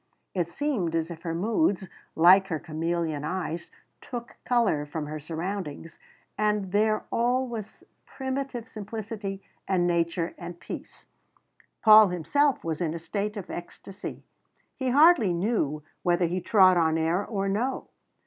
It seemed as if her moods, like her chameleon eyes, took colour from her surroundings, and there all was primitive simplicity and nature and peace. Paul himself was in a state of ecstasy. He hardly knew whether he trod on air or no.